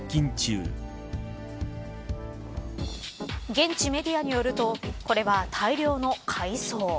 現地メディアによるとこれは大量の海藻。